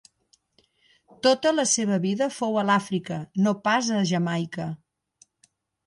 Tota la seva vida fou a l'Àfrica, no pas a Jamaica.